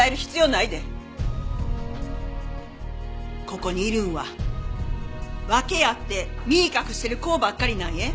ここにいるんは訳あって身隠してる子ばっかりなんえ。